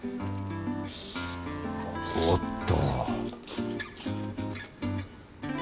おっと